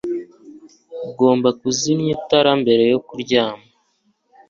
ugomba kuzimya itara mbere yo kuryama